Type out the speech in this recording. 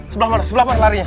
sebelah mana sebelah kan larinya